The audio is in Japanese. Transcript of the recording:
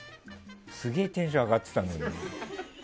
すげえテンション上がってたのに。